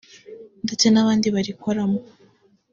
ndetse n’abandi barikoramo